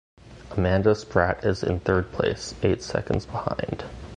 Amanda Spratt is in third place, eight seconds behind.